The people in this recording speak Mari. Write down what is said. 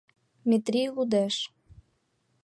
Метрий лудеш: